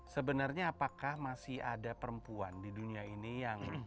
sebenarnya apakah masih ada perempuan di dunia ini yang